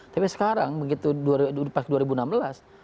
tapi sekarang begitu pas dua ribu enam belas